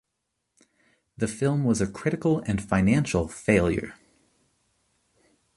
The film was a critical and financial failure.